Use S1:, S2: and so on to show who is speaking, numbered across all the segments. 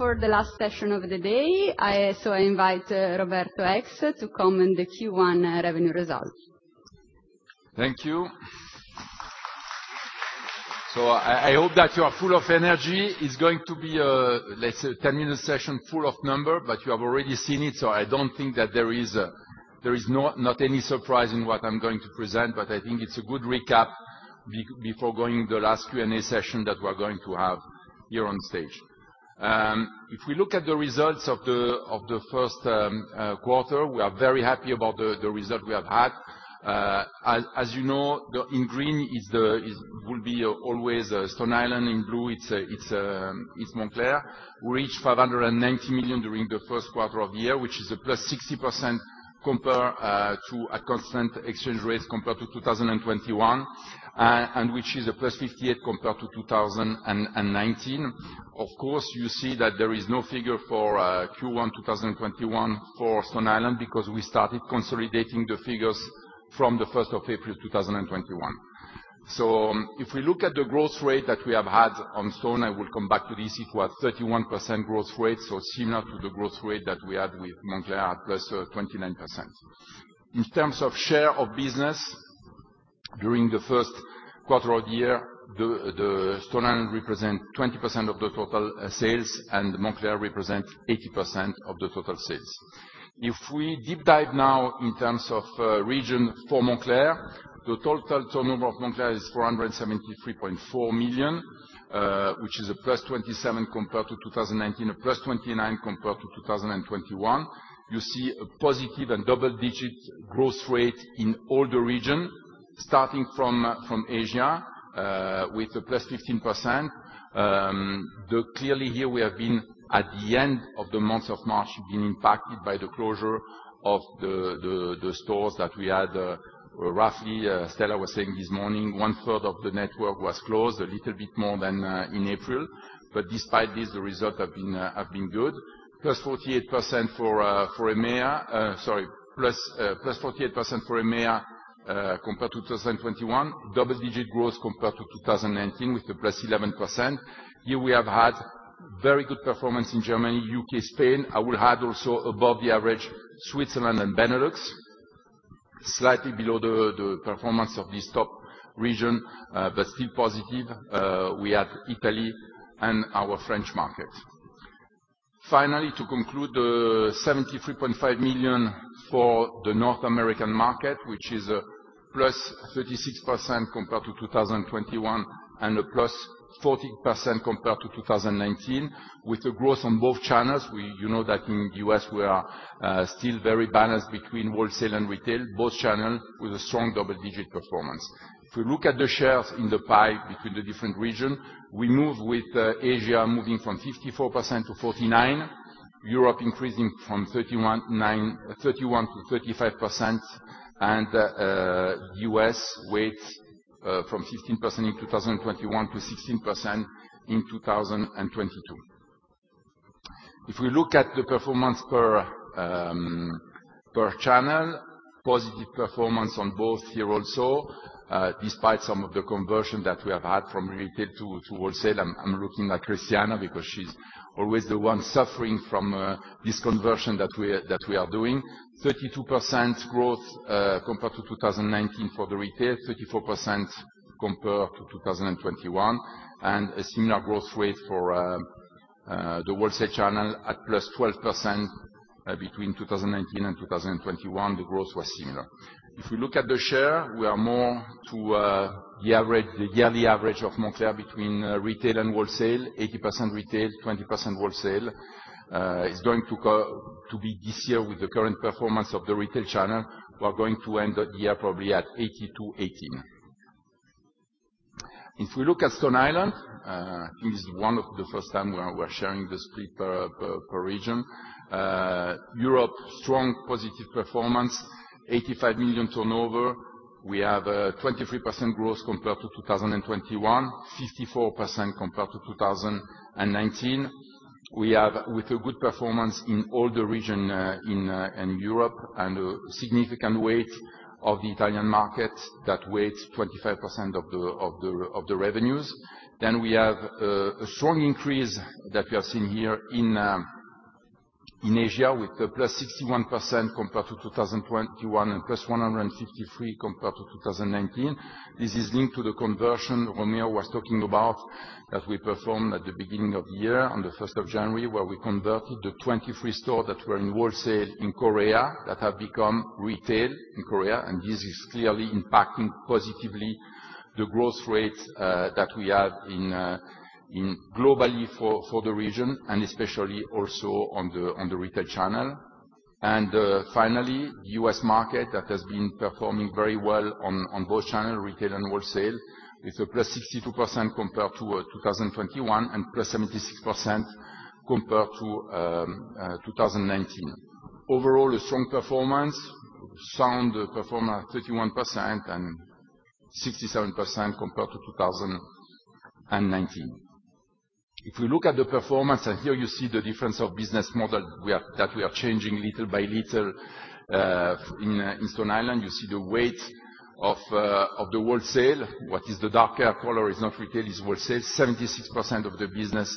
S1: For the last session of the day, I also invite Roberto Eggs to comment on the Q1 revenue results.
S2: Thank you. I hope that you are full of energy. It's going to be a 10-minute session full of numbers, but you have already seen it. I don't think that there is no any surprise in what I'm going to present, but I think it's a good recap before going to the last Q&A session that we're going to have here on stage. If we look at the results of the first quarter, we are very happy about the result we have had. As you know, in green is it will be always Stone Island. In blue, it's Moncler. We reached 590 million during the first quarter of the year, which is a +60% to a constant exchange rate compared to 2021, and which is a +58% compared to 2019. Of course, you see that there is no figure for Q1 2021 for Stone Island because we started consolidating the figures from April 1st, 2021. If we look at the growth rate that we have had on Stone, I will come back to this. It was 31% growth rate, so similar to the growth rate that we had with Moncler at +29%. In terms of share of business during the first quarter of the year, the Stone Island represent 20% of the total sales, and Moncler represent 80% of the total sales. If we deep dive now in terms of region for Moncler, the total turnover of Moncler is 473.4 million, which is a +27% compared to 2019, a +29% compared to 2021. You see a positive and double-digit growth rate in all the region, starting from Asia with a +15%. Clearly here we have been at the end of the month of March, been impacted by the closure of the stores that we had, roughly, Stella was saying this morning, 1/3 of the network was closed, a little bit more than in April. Despite this, the result have been good. Plus 48% for EMEA, sorry, plus 48% for EMEA compared to 2021. Double-digit growth compared to 2019 with the +11%. Here we have had very good performance in Germany, UK, Spain. I will add also above the average, Switzerland and Benelux. Slightly below the performance of this top region, but still positive, we had Italy and our French market. Finally, to conclude, 73.5 million for the North American market, which is a +36% compared to 2021, and a +40% compared to 2019, with a growth on both channels. You know that in US we are still very balanced between wholesale and retail, both channels with a strong double-digit performance. If you look at the shares in the pie between the different regions, we move with Asia moving from 54%-49%, Europe increasing from 31%-35%, and US weights from 15% in 2021 to 16% in 2022. If we look at the performance per channel, positive performance on both here also, despite some of the conversion that we have had from retail to wholesale. I'm looking at Cristiana because she's always the one suffering from this conversion that we are doing. 32% growth compared to 2019 for the retail, 34% compared to 2021, and a similar growth rate for the wholesale channel at +12%, between 2019 and 2021, the growth was similar. If we look at the share, we are more to the average, the yearly average of Moncler between retail and wholesale, 80% retail, 20% wholesale. It's going to be this year with the current performance of the retail channel. We are going to end the year probably at 82-18. If we look at Stone Island, it is one of the first time we are sharing the split per region. Europe, strong positive performance, 85 million turnover. We have 23% growth compared to 2021, 54% compared to 2019. We have with a good performance in all the region in Europe, and a significant weight of the Italian market that weighs 25% of the revenues. We have a strong increase that we are seeing here in Asia with the +61% compared to 2021 and +153% compared to 2019. This is linked to the conversion Remo was talking about that we performed at the beginning of the year on the January 1st, where we converted the 23 stores that were in wholesale in Korea that have become retail in Korea, and this is clearly impacting positively the growth rates that we have in globally for the region and especially also on the retail channel. Finally, U.S. market that has been performing very well on both channel, retail and wholesale. It's a +62% compared to 2021 and +76% compared to 2019. Overall, a strong performance, sound performance, 31% and 67% compared to 2019. If we look at the performance, here you see the difference of business model we are changing little by little in Stone Island, you see the weight of the wholesale. What is the darker color is not retail, it's wholesale. 76% of the business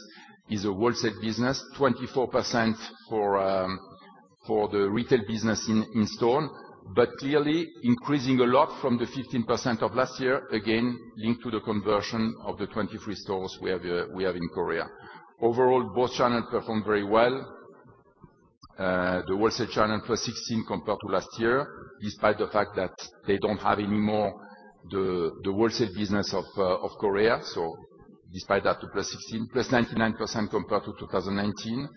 S2: is a wholesale business, 24% for the retail business in store, but clearly increasing a lot from the 15% of last year, again linked to the conversion of the 23 stores we have in Korea. Overall, both channels performed very well. The wholesale channel +16% compared to last year, despite the fact that they don't have any more the wholesale business of Korea. Despite that, too, +16%, +99% compared to 2019.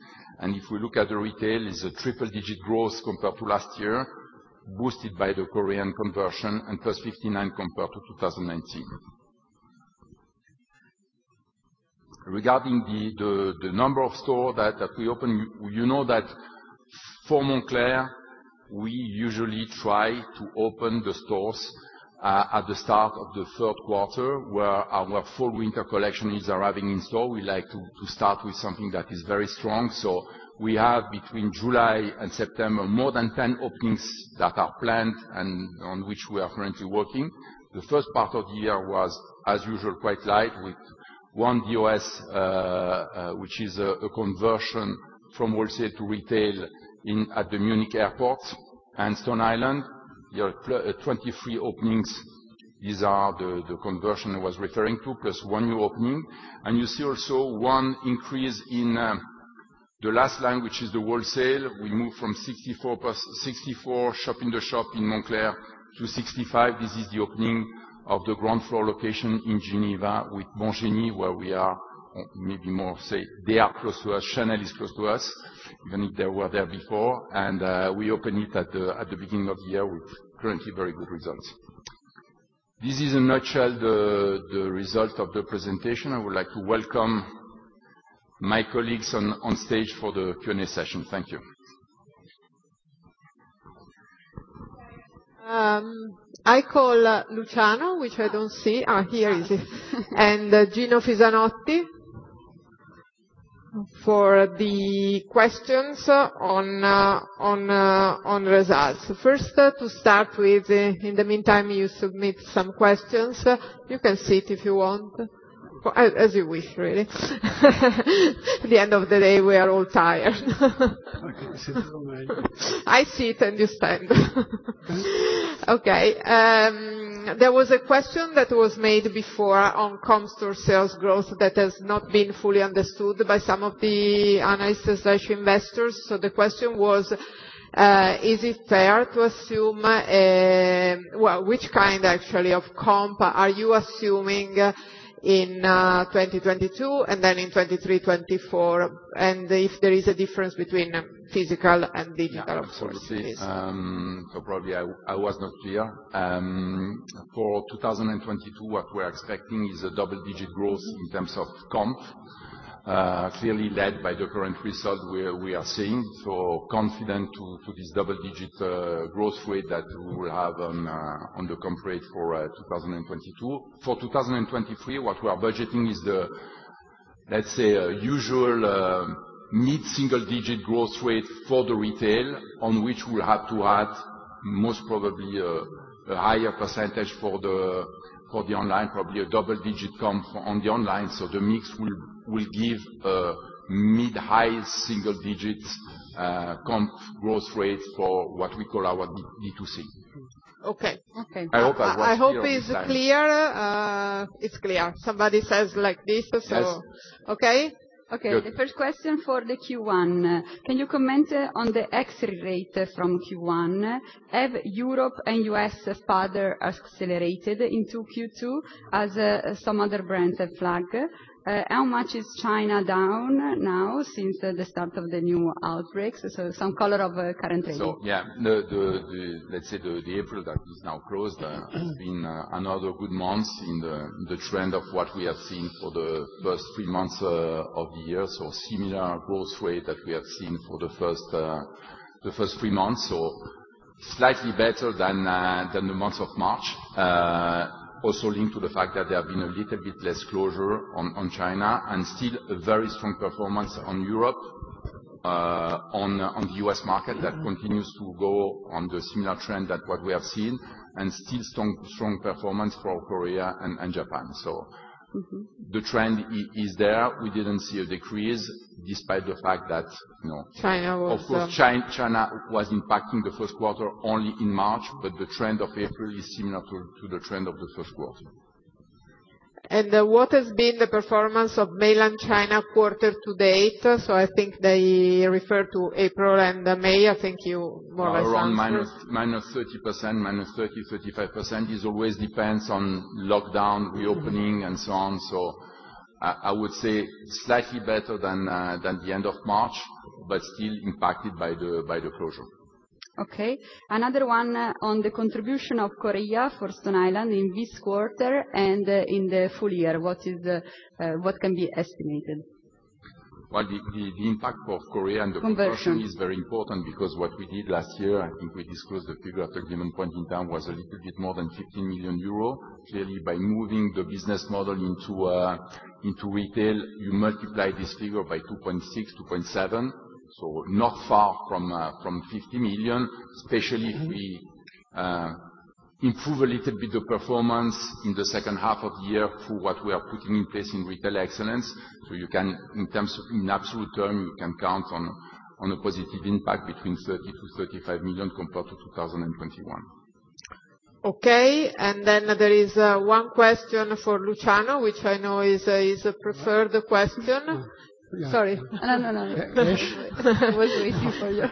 S2: If we look at retail, it's a triple-digit growth compared to last year, boosted by the Korean conversion and +59% compared to 2019. Regarding the number of stores that we opened, you know that for Moncler, we usually try to open the stores at the start of the third quarter, where our full winter collection is arriving in store. We like to start with something that is very strong. We have between July and September, more than 10 openings that are planned and on which we are currently working. The first part of the year was, as usual, quite light, with one U.S., which is a conversion from wholesale to retail in at the Munich Airport and Stone Island. Our 2023 openings, these are the conversion I was referring to, plus one new opening. You see also one increase in the last line, which is the wholesale. We moved from 64+ shop-in-the-shop in Moncler to 65. This is the opening of the ground floor location in Geneva with Mangini, where we are maybe more, say, they are close to us, Chanel is close to us, even if they were there before. We opened it at the beginning of the year, with currently very good results. This is in a nutshell the result of the presentation. I would like to welcome my colleagues on stage for the Q&A session. Thank you.
S3: I call Luciano, which I don't see. Here is he. Gino Fisanotti for the questions on results. First, to start with, in the meantime, you submit some questions. You can sit if you want, or as you wish, really. At the end of the day, we are all tired.
S2: I can sit if you don't mind.
S3: I sit and you stand.
S2: Okay.
S3: Okay. There was a question that was made before on comp store sales growth that has not been fully understood by some of the analysts and investors. The question was, is it fair to assume which kind actually of comp are you assuming in 2022 and then in 2023, 2024? If there is a difference between physical and digital, of course, please.
S2: Probably I was not clear. For 2022, what we're expecting is a double-digit growth in terms of comp, clearly led by the current result we are seeing, confident in this double-digit growth rate that we will have on the comp rate for 2022. For 2023, what we are budgeting is the, let's say, usual mid-single-digit growth rate for the retail, on which we'll have to add most probably a higher percentage for the online, probably a double-digit comp on the online. The mix will give a mid-high single-digits comp growth rate for what we call our B2C.
S3: Okay. Okay.
S2: I hope I was clear this time.
S3: I hope it's clear. It's clear. Somebody says like this.
S2: Yes.
S3: Okay.
S2: Good.
S1: Okay, the first question for the Q1. Can you comment on the exit rate from Q1? Have Europe and U.S. further accelerated into Q2 as some other brands have flagged? How much is China down now since the start of the new outbreaks? Some color on Korea.
S2: Yeah, let's say, the April that is now closed has been another good month in the trend of what we have seen for the first three months of the year. Similar growth rate that we have seen for the first three months, or slightly better than the month of March. Also linked to the fact that there have been a little bit less closure on China and still a very strong performance on Europe, on the U.S. market that continues to go on the similar trend that what we have seen. Still strong performance for Korea and Japan.
S1: Mm-hmm.
S2: The trend is there. We didn't see a decrease despite the fact that, you know.
S3: China was
S2: Of course, China was impacting the first quarter only in March, but the trend of April is similar to the trend of the first quarter.
S3: What has been the performance of mainland China quarter to date? I think they refer to April and May. I think you more or less answered.
S2: Around -30%, -35%. This always depends on lockdown, reopening and so on. I would say slightly better than the end of March, but still impacted by the closure.
S1: Okay. Another one on the contribution of Korea for Stone Island in this quarter and in the full year. What can be estimated?
S2: Well, the impact of Korea and the conversion.
S3: Conversion
S2: is very important because what we did last year, I think we disclosed the figure at a given point in time, was a little bit more than 50 million euro. Clearly, by moving the business model into retail, you multiply this figure by 2.6-2.7. Not far from 50 million, especially if we Improve a little bit of performance in the second half of the year through what we are putting in place in retail excellence. You can, in terms of, in absolute terms, you can count on a positive impact between 30 million-35 million compared to 2021.
S3: Okay, there is one question for Luciano, which I know is a preferred question. Sorry. No, no. I was waiting for you.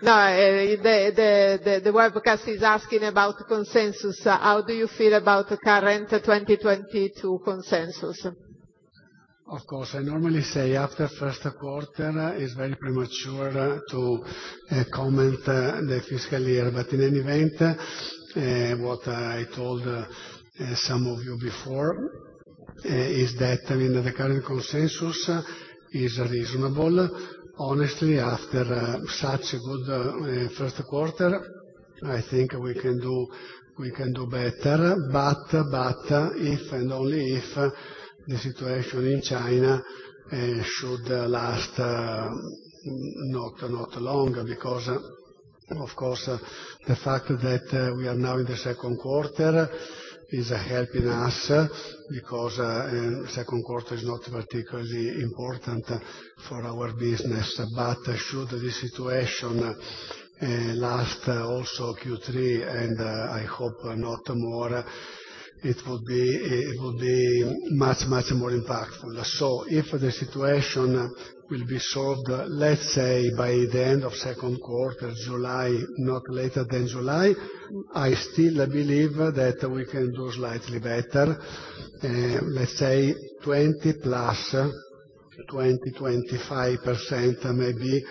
S1: No, the webcast is asking about consensus. How do you feel about current 2022 consensus?
S4: Of course, I normally say after the first quarter is very premature to comment on the fiscal year. In any event, what I told some of you before is that the current consensus is reasonable. Honestly, after such a good first quarter, I think we can do better. If and only if the situation in China should not last long because, of course, the fact that we are now in the second quarter is helping us because second quarter is not particularly important for our business. Should the situation last also Q3, and I hope not more, it will be much more impactful. If the situation will be solved, let's say, by the end of second quarter, July, not later than July, I still believe that we can do slightly better. Let's say 20+, 20, 25% may be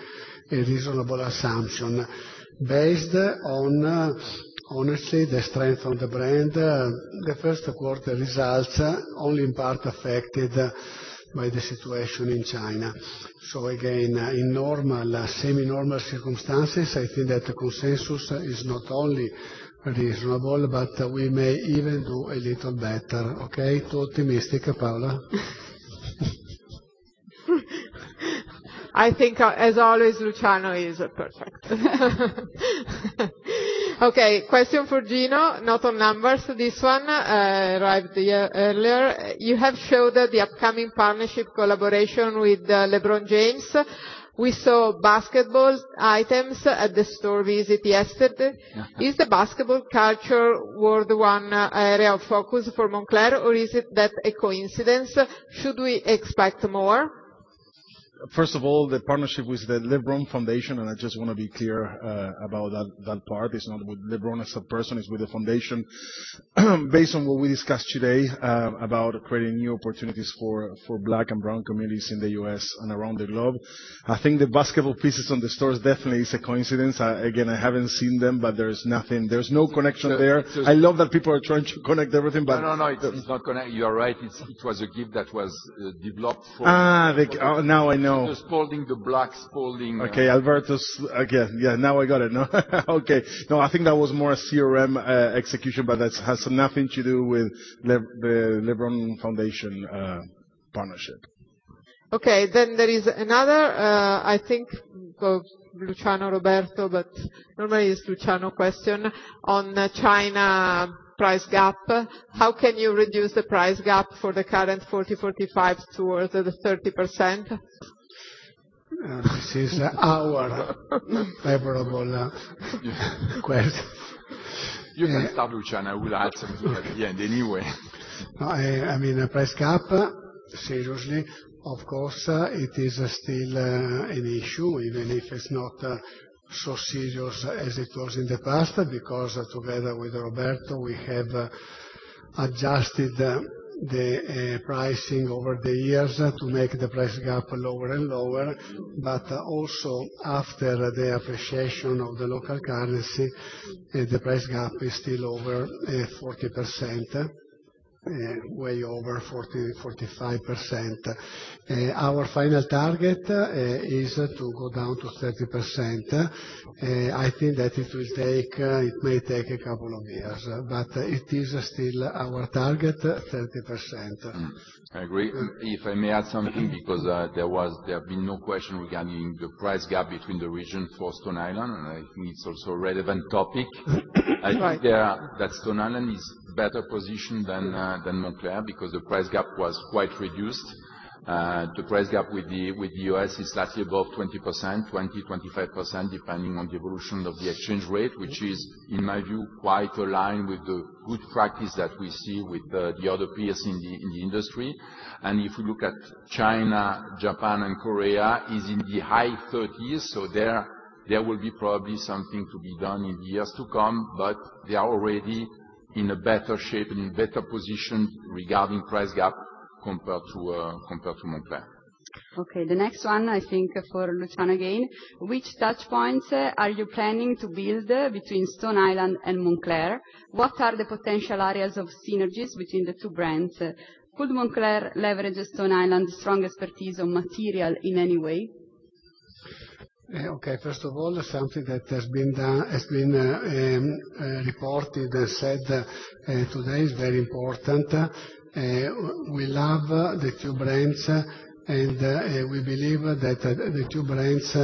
S4: a reasonable assumption based on, honestly, the strength of the brand, the first quarter results only in part affected by the situation in China. Again, in normal, semi-normal circumstances, I think that consensus is not only reasonable, but we may even do a little better. Okay? Too optimistic, Paola?
S3: I think, as always, Luciano is perfect. Okay, question for Gino. Not on numbers, this one, arrived here earlier. You have showed the upcoming partnership collaboration with LeBron James. We saw basketball items at the store visit yesterday. Is the basketball culture world one area of focus for Moncler, or is it that a coincidence? Should we expect more?
S5: First of all, the partnership with the LeBron Foundation, and I just want to be clear about that part. It's not with LeBron as a person, it's with the foundation. Based on what we discussed today about creating new opportunities for black and brown communities in the U.S. and around the globe, I think the basketball pieces on the stores definitely is a coincidence. Again, I haven't seen them, but there is nothing. There's no connection there. I love that people are trying to connect everything, but.
S2: No, no. It's not connected. You are right. It was a gift that was developed for-
S5: Now I know.
S2: The Spalding, the black Spalding
S5: Okay. Yeah, now I got it. Okay. No, I think that was more a CRM execution, but that has nothing to do with the LeBron Foundation partnership.
S3: Okay. There is another, I think for Luciano, Roberto, but normally it's Luciano question on China price gap. How can you reduce the price gap for the current 40%-45% towards the 30%?
S4: This is our favorable quest.
S5: You can start, Luciano. We'll answer together at the end anyway.
S4: No, I mean, price gap, seriously, of course, it is still an issue, even if it's not so serious as it was in the past because together with Roberto, we have adjusted the pricing over the years to make the price gap lower and lower. Also after the appreciation of the local currency, the price gap is still over 40%, way over 40, 45%. Our final target is to go down to 30%. I think that it will take, it may take a couple of years, but it is still our target, 30%.
S2: I agree. If I may add something because there have been no question regarding the price gap between the regions for Stone Island, and I think it's also relevant topic.
S3: Right.
S2: I think that Stone Island is better positioned than Moncler because the price gap was quite reduced. The price gap with the U.S. is slightly above 20%, 25%, depending on the evolution of the exchange rate, which is, in my view, quite aligned with the good practice that we see with the other peers in the industry. If you look at China, Japan and Korea is in the high 30s%. There will be probably something to be done in the years to come, but they are already in a better shape and in better position regarding price gap compared to Moncler.
S1: Okay, the next one I think for Luciano again. Which touchpoints are you planning to build between Stone Island and Moncler? What are the potential areas of synergies between the two brands? Could Moncler leverage Stone Island's strong expertise on material in any way?
S4: Okay. First of all, something that has been reported and said today is very important. We love the two brands, and we believe that the two brands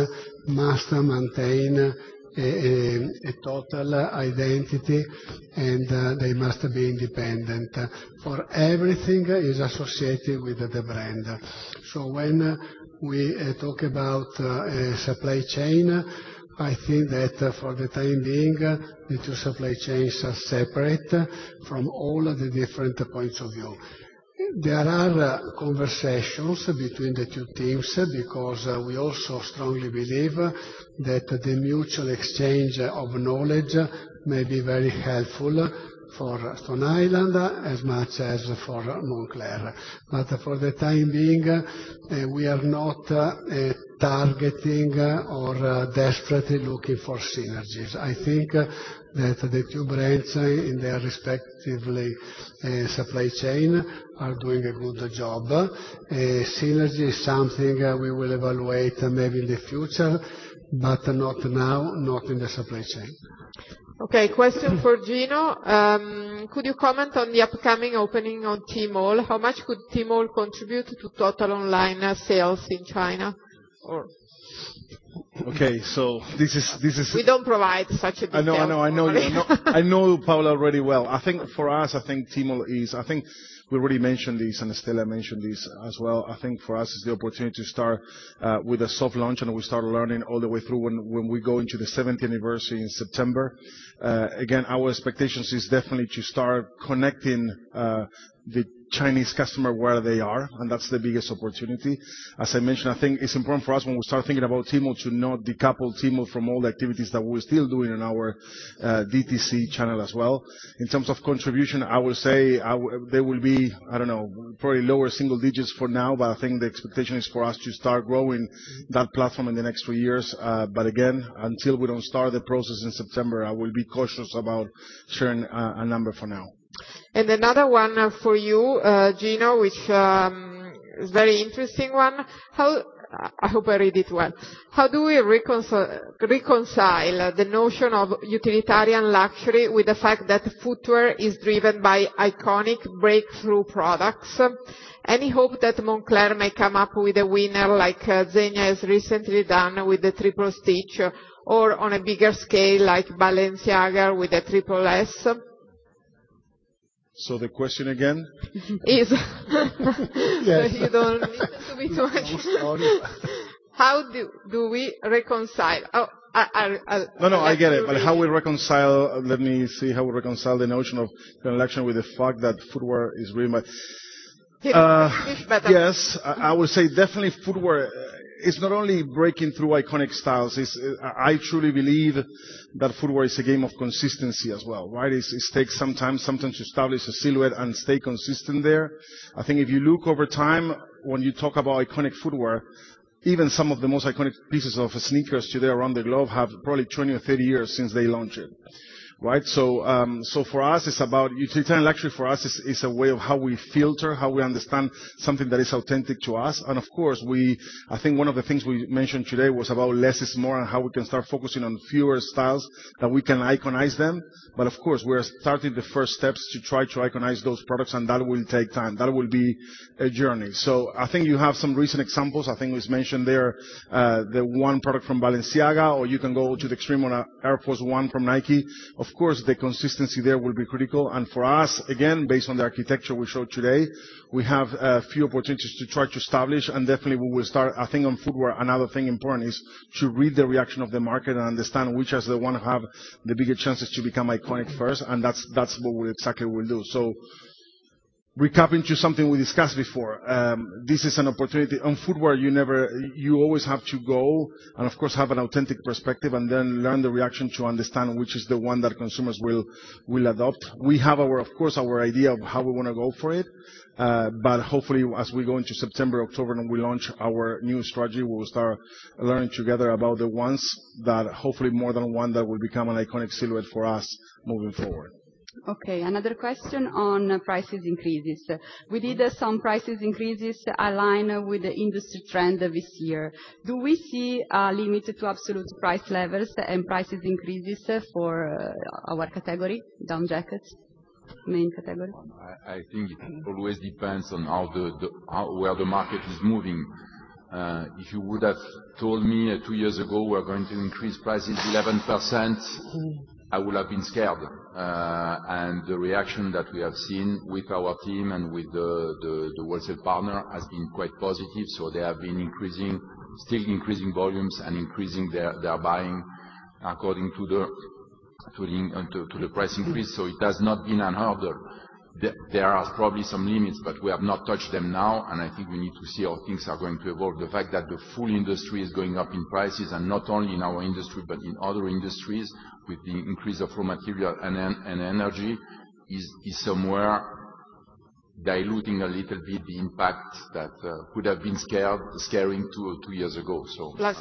S4: must maintain a total identity, and they must be independent. For everything is associated with the brand. When we talk about supply chain, I think that for the time being, the two supply chains are separate from all the different points of view. There are conversations between the two teams because we also strongly believe that the mutual exchange of knowledge may be very helpful for Stone Island as much as for Moncler. For the time being, we are not targeting or desperately looking for synergies. I think that the two brands in their respective supply chains are doing a good job. Synergy is something we will evaluate maybe in the future, but not now, not in the supply chain.
S3: Okay. Question for Gino. Could you comment on the upcoming opening on Tmall? How much could Tmall contribute to total online sales in China?
S5: Okay. This is
S3: We don't provide such a detail.
S5: I know, I know. I know you. I know Paola already well. I think for us, Tmall is... I think we already mentioned this, and Stella mentioned this as well. I think for us it's the opportunity to start with a soft launch, and we start learning all the way through when we go into the seventh anniversary in September. Again, our expectations is definitely to start connecting the Chinese customer where they are, and that's the biggest opportunity. As I mentioned, I think it's important for us when we start thinking about Tmall to not decouple Tmall from all the activities that we're still doing in our DTC channel as well. In terms of contribution, I would say, they will be, I don't know, probably lower single digits for now, but I think the expectation is for us to start growing that platform in the next three years. But again, until we don't start the process in September, I will be cautious about sharing a number for now.
S3: Another one for you, Gino, which is very interesting one. I hope I read it well. How do we reconcile the notion of utilitarian luxury with the fact that footwear is driven by iconic breakthrough products? Any hope that Moncler may come up with a winner like Zegna has recently done with the Triple Stitch, or on a bigger scale, like Balenciaga with a Triple S?
S5: The question again?
S3: Is
S5: Yes.
S3: You don't need to be too much.
S5: No, sorry.
S3: How do we reconcile?
S5: No, no, I get it. How we reconcile. Let me see. How we reconcile the notion of connection with the fact that footwear is very much.
S3: Yes, better.
S5: Yes. I would say definitely footwear is not only breaking through iconic styles. It's, I truly believe that footwear is a game of consistency as well, right? It takes some time sometimes to establish a silhouette and stay consistent there. I think if you look over time, when you talk about iconic footwear, even some of the most iconic pieces of sneakers today around the globe have probably 20 or 30 years since they launched it, right? So for us, utilitarian luxury for us is a way of how we filter, how we understand something that is authentic to us. Of course, I think one of the things we mentioned today was about less is more and how we can start focusing on fewer styles, that we can iconize them. Of course, we are starting the first steps to try to iconize those products, and that will take time. That will be a journey. I think you have some recent examples. I think it was mentioned there, the one product from Balenciaga, or you can go to the extreme on a Air Force 1 from Nike. Of course, the consistency there will be critical. For us, again, based on the architecture we showed today, we have a few opportunities to try to establish, and definitely we will start, I think on footwear. Another thing important is to read the reaction of the market and understand which is the one have the bigger chances to become iconic first, and that's what we exactly will do. Recapping to something we discussed before, this is an opportunity. On footwear, you never... You always have to go and of course, have an authentic perspective and then learn the reaction to understand which is the one that consumers will adopt. We have our, of course, our idea of how we wanna go for it, but hopefully, as we go into September, October, and we launch our new strategy, we'll start learning together about the ones that hopefully more than one that will become an iconic silhouette for us moving forward.
S1: Okay. Another question on price increases. We did some price increases aligned with the industry trend this year. Do we see a limit to absolute price levels and price increases for our category, down jackets, main category?
S4: I think it always depends on how where the market is moving. If you would have told me two years ago we're going to increase prices 11%, I would have been scared. The reaction that we have seen with our team and with the wholesale partner has been quite positive. They have been increasing, still increasing volumes and increasing their buying according to the price increase. It has not been a hurdle. There are probably some limits, but we have not touched them now, and I think we need to see how things are going to evolve. The fact that the full industry is going up in prices, and not only in our industry but in other industries, with the increase of raw material and energy, is somewhere diluting a little bit the impact that could have been scaring two years ago.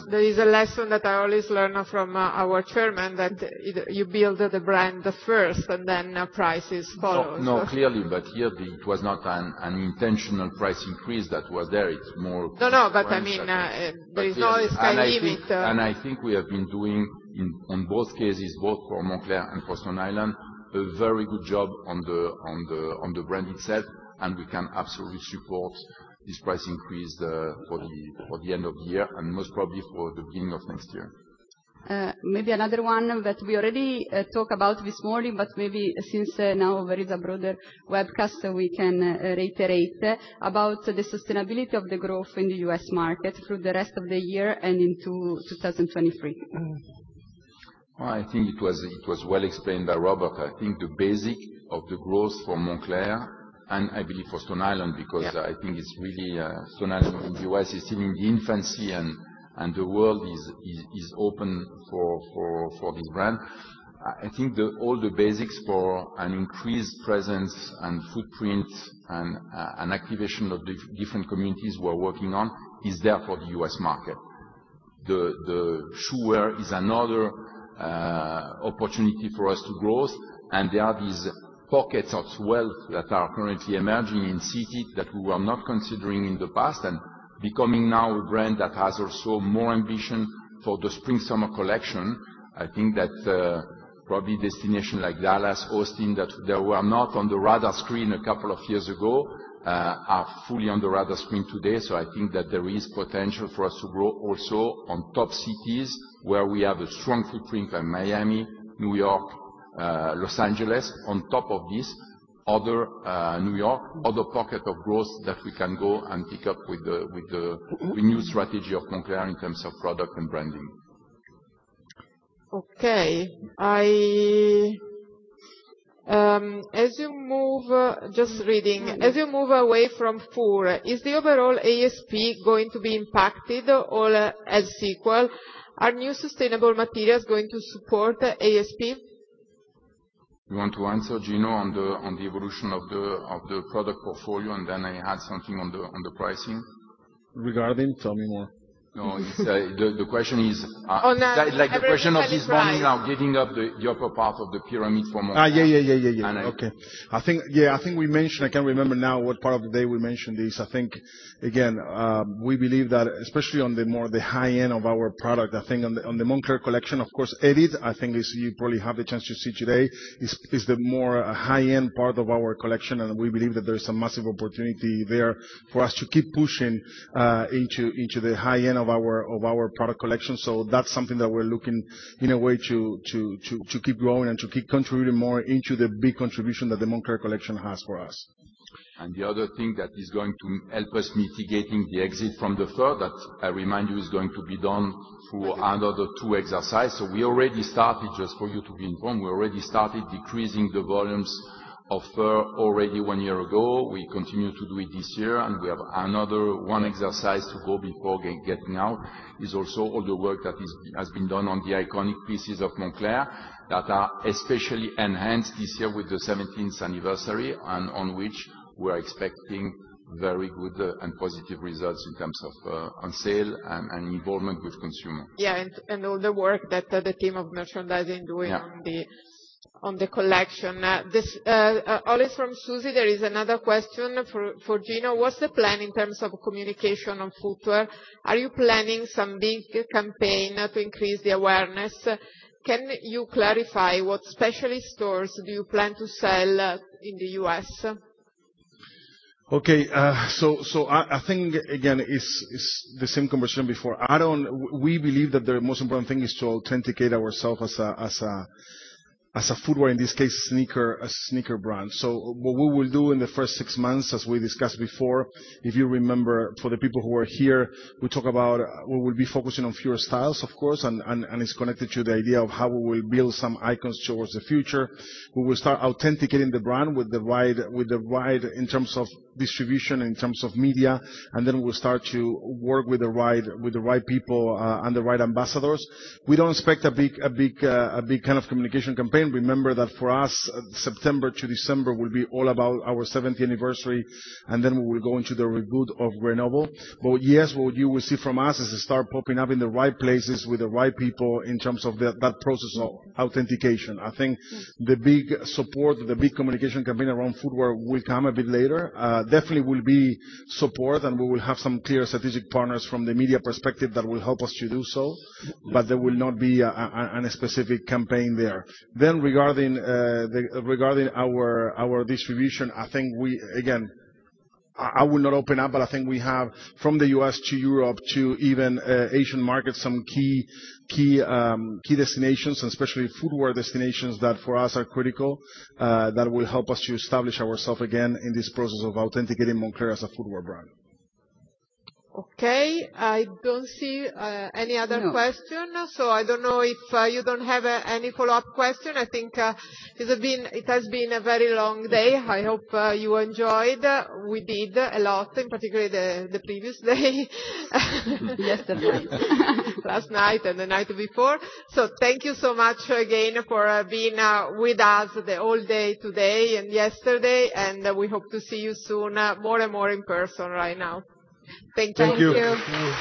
S3: There is a lesson that I always learn from our Chairman that you build the brand first and then price follows.
S4: No, clearly, but here it was not an intentional price increase that was there. It's more
S3: No, no, I mean, there's no sky limit.
S4: I think we have been doing in both cases, both for Moncler and for Stone Island.
S2: A very good job on the brand itself, and we can absolutely support this price increase for the end of the year and most probably for the beginning of next year.
S1: Maybe another one that we already talk about this morning, but maybe since now there is a broader webcast so we can reiterate about the sustainability of the growth in the U.S. market through the rest of the year and into 2023.
S4: Well, I think it was well explained by Roberto Eggs. I think the basics of the growth for Moncler, and I believe for Stone Island.
S3: Yeah.
S4: Because I think it's really, Stone Island in the U.S. is still in infancy and the world is open for this brand. I think all the basics for an increased presence and footprint and an activation of different communities we're working on is there for the US market. The footwear is another opportunity for us to grow. There are these pockets of wealth that are currently emerging in cities that we were not considering in the past. Becoming now a brand that has also more ambition for the spring/summer collection, I think that probably destinations like Dallas, Austin, that they were not on the radar screen a couple of years ago are fully on the radar screen today. I think that there is potential for us to grow also in top cities where we have a strong footprint in Miami, New York, Los Angeles. On top of this, other pockets of growth that we can go and pick up with the new strategy of Moncler in terms of product and branding.
S3: As you move away from fur, is the overall ASP going to be impacted or otherwise equal? Are new sustainable materials going to support ASP?
S2: You want to answer, Gino, on the evolution of the product portfolio, and then I add something on the pricing?
S5: Regarding? Tell me, yeah.
S2: No, it's the question is.
S3: Oh, no. Have it, Gino.
S2: Like the question of this morning of giving up the upper part of the pyramid for Moncler.
S5: Yeah.
S2: And I-
S5: I think we mentioned. I can't remember now what part of the day we mentioned this. I think, again, we believe that, especially on the more high-end of our product, I think on the Moncler Collection, of course, Edit, you probably have the chance to see today, is the more high-end part of our collection. We believe that there's a massive opportunity there for us to keep pushing into the high-end of our product collection. That's something that we're looking in a way to keep growing and to keep contributing more into the big contribution that the Moncler Collection has for us.
S2: The other thing that is going to help us mitigating the exit from the fur, that I remind you is going to be done through another two-year exercise. We already started, just for you to be informed, we already started decreasing the volumes of fur already one year ago. We continue to do it this year, and we have another one-year exercise to go before getting out. It is also all the work that has been done on the iconic pieces of Moncler that are especially enhanced this year with the seventieth anniversary, and on which we're expecting very good and positive results in terms of sales and involvement with consumers.
S3: Yeah, and all the work that the team of merchandising doing
S2: Yeah
S3: On the collection. This all is from Suzy. There is another question for Gino. What's the plan in terms of communication on footwear? Are you planning some big campaign to increase the awareness? Can you clarify what specialty stores do you plan to sell in the U.S.?
S5: I think again it's the same conversation before. We believe that the most important thing is to authenticate ourselves as a footwear, in this case, sneaker, a sneaker brand. What we will do in the first six months, as we discussed before, if you remember, for the people who were here, we talk about we will be focusing on fewer styles, of course, and it's connected to the idea of how we will build some icons towards the future. We will start authenticating the brand with the right in terms of distribution, in terms of media, and then we'll start to work with the right people and the right ambassadors. We don't expect a big kind of communication campaign. Remember that for us, September to December will be all about our seventieth anniversary, and then we will go into the reboot of Grenoble. Yes, what you will see from us is start popping up in the right places with the right people in terms of that process of authentication. I think the big support, the big communication campaign around footwear will come a bit later. Definitely will be support, and we will have some clear strategic partners from the media perspective that will help us to do so. There will not be a specific campaign there. Regarding our distribution, I think we again, I will not open up, but I think we have from the U.S. to Europe to even Asian markets, some key destinations, especially footwear destinations that for us are critical, that will help us to establish ourself again in this process of authenticating Moncler as a footwear brand.
S1: Okay. I don't see any other question. I don't know if you don't have any follow-up question. I think this has been a very long day. I hope you enjoyed. We did a lot, in particular the previous day. Last night and the night before. Thank you so much again for being with us the whole day today and yesterday. We hope to see you soon, more and more in person right now. Thank you.
S2: Thank you.
S5: Thank you.